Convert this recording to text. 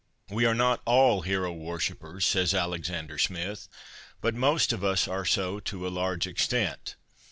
' We are not all hero worshippers,' says Alexander Smith, ' but most of us are so to a large extent.